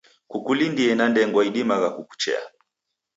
Kukulindie na ndengwa idimagha kukuchea.